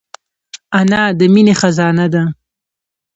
انا د مینې خزانه ده